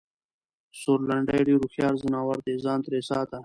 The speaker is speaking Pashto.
سورلنډی ډېر هوښیار ځناور دی٬ ځان ترې ساته!